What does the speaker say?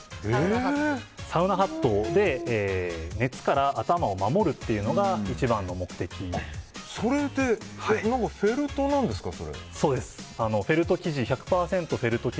サウナハットで熱から頭を守るというのがそれ、フェルトなんですか？